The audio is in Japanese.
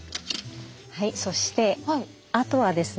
はいそしてあとはですね。